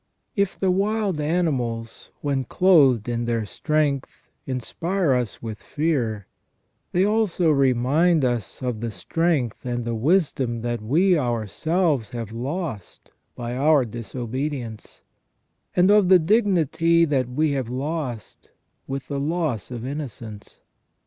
* If the wild animals when clothed in their strength inspire us with fear, they also remind us of the strength and the wisdom that we ourselves have lost by our disobedience, and of the dignity that we have lost with the loss of innocence.